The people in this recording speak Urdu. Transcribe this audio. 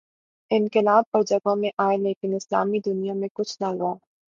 انقلاب اور جگہوں میں آئے لیکن اسلامی دنیا میں کچھ نہ ہوا۔